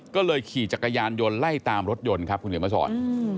ก็เลยขี่จักรยานยนต์ไล่ตามรถยนต์ครับคุณเดี๋ยวมาสอน